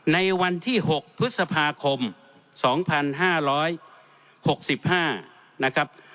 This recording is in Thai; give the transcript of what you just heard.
ในวันที่๖พฤษภาคม๒๕๖๕นะครับ